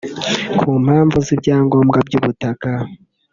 ku mpamvu z’ ibyangombwa by’ ubutaka